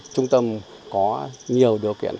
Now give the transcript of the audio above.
trung tâm có nhiều điều kiện